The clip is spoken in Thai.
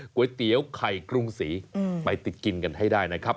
ก๋วยเตี๋ยวไข่กรุงศรีไปติดกินกันให้ได้นะครับ